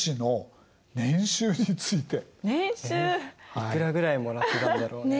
いくらぐらいもらってたんだろうね？ね。